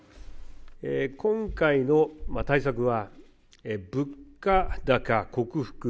今回の対策は物価高克服。